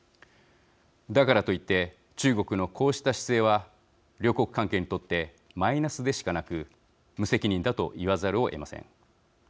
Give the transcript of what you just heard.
だからといって中国のこうした姿勢は両国関係にとってマイナスでしかなく無責任だと言わざるをえません。